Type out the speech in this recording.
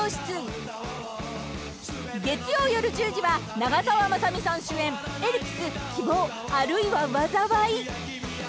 ［月曜夜１０時は長澤まさみさん主演『エルピス−希望、あるいは災い−』］